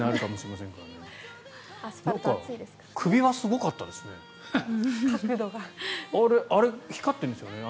なんか首輪、すごかったですね。